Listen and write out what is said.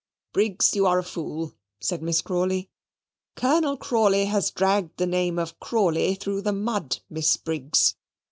"Briggs, you are a fool," said Miss Crawley: "Colonel Crawley has dragged the name of Crawley through the mud, Miss Briggs.